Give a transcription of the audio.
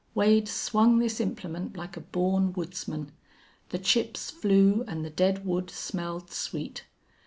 Wade swung this implement like a born woodsman. The chips flew and the dead wood smelled sweet.